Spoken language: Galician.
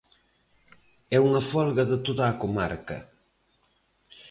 É unha Folga de toda a Comarca.